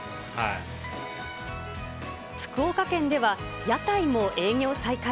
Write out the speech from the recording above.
福岡県では、屋台も営業再開。